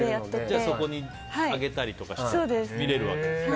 そこに上げたりして見れるわけですね。